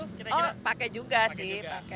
oh pakai juga sih